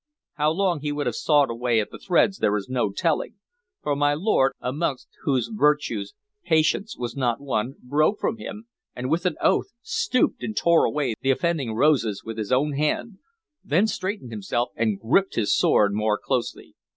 How long he would have sawed away at the threads there is no telling; for my lord, amongst whose virtues patience was not one, broke from him, and with an oath stooped and tore away the offending roses with his own hand, then straightened himself and gripped his sword more closely.